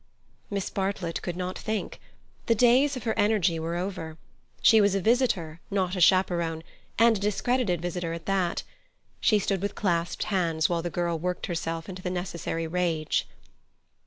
Miss Bartlett could not think. The days of her energy were over. She was a visitor, not a chaperon, and a discredited visitor at that. She stood with clasped hands while the girl worked herself into the necessary rage.